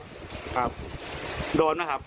ครับโดนหรือครับ